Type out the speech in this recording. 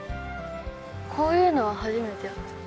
こういうのは初めてやった。